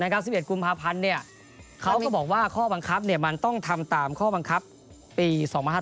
๑๑กุมภาพันธ์เขาก็บอกว่าข้อบังคับมันต้องทำตามข้อบังคับปี๒๕๕๙